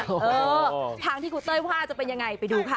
เออทางที่ครูเต้ยว่าจะเป็นยังไงไปดูค่ะ